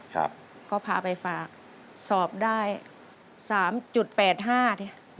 ครับก็พาไปฝากสอบได้๓๘๕เนี่ย